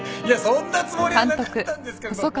いやそんなつもりはなかったんですけれども。